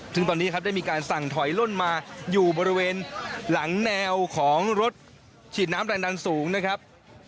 ซึ่งตอนนี้ครับได้มีการสั่งถอยล่นมาอยู่บริเวณหลังแนวของรถฉีดน้ำแรงดันสูงนะครับ